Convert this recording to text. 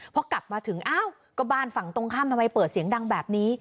พอกลับมาถึงอ้าวก็บ้านฝั่งตรงข้ามทำไมเปิดเสียงดังแบบนี้